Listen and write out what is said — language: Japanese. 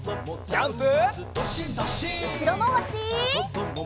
ジャンプ！